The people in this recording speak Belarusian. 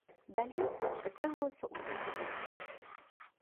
Далей працягвалася ў тым жа духу.